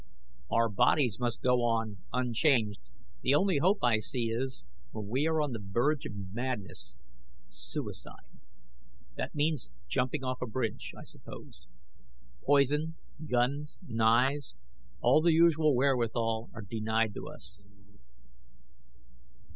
"Our bodies must go on unchanged. The only hope I see is when we are on the verge of madness, suicide. That means jumping off a bridge, I suppose. Poison, guns, knives all the usual wherewithal are denied to us."